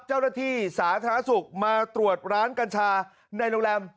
เจ้าหน้าที่สาธารณสุขมาตรวจร้านกัญชาในโรงแรม